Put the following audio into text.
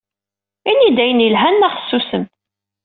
Ini-d ayen yelhan neɣ susem.